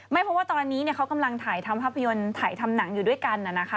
ไม่เพราะว่าตอนนี้เขากำลังถ่ายทำภาพยนตร์ถ่ายทำหนังอยู่ด้วยกันนะคะ